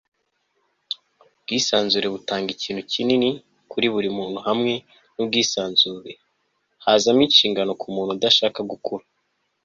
ubwisanzure butanga ikintu kinini kuri buri muntu hamwe n'ubwisanzure hazamo inshingano ku muntu udashaka gukura